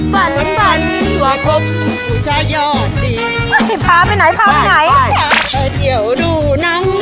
วันวันว่าพบผู้ชายยอดดีไปไปไปไปเที่ยวดูนั่ง